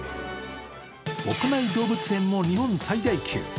屋内動物園も日本最大級。